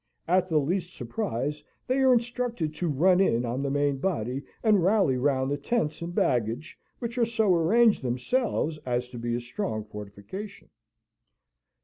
At the least surprise, they are instructed to run in on the main body and rally round the tents and baggage, which are so arranged themselves as to be a strong fortification.